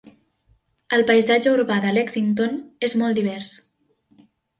El paisatge urbà de Lexington és molt divers.